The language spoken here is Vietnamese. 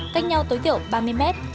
cách nhau tối thiểu ba mươi mét